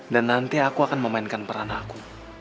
dan nanti aku akan memainkan peran aku